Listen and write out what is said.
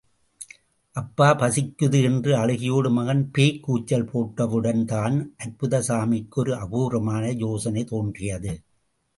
அப்பா பசிக்குது என்று அழுகையோடு மகன் பேய்க் கூச்சல் போட்டவுடன் தான், அற்புதசாமிக்கு ஒரு அபூர்வமான யோசனை தோன்றியது.